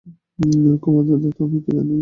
কুমারদের ধাতু আমি জানি কি না।